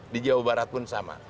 di jawa barat pun sama